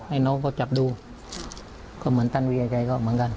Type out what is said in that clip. ให้น้องเขาจับดูก็เหมือนตันเวียแกก็เหมือนกัน